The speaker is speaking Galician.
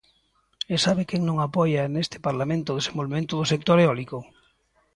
¿E sabe quen non apoia neste Parlamento o desenvolvemento do sector eólico?